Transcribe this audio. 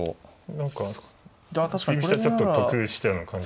何か振り飛車ちょっと得したような感じ。